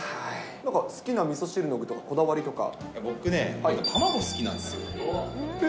なんか好きなみそ汁の具とか、僕ね、卵好きなんですよ。